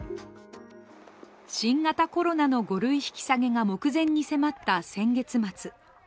新型コロナの５類引き下げが目前に迫った先月末。